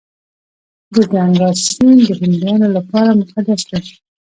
د ګنګا سیند د هندیانو لپاره مقدس دی.